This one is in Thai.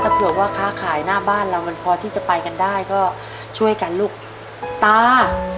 เผื่อว่าค้าขายหน้าบ้านเรามันพอที่จะไปกันได้ก็ช่วยกันลูกตา